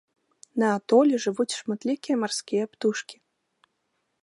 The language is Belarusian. На атоле жывуць шматлікія марскія птушкі.